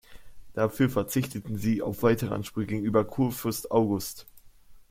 Dafür verzichteten sie auf weitere Ansprüche gegenüber Kurfürst August.